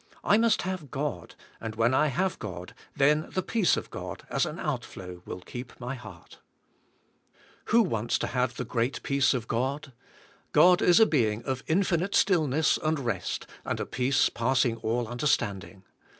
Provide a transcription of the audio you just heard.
I must have God, and when I have God then the peace of God as an outflow will keep my heart Who wants to have the great peace th:e; I.IFK OF RE^s'T. 241 of God ? God is a being of infinite stillness and rest and a peace passing all understanding